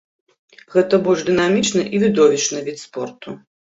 Гэта больш дынамічны і відовішчны від спорту.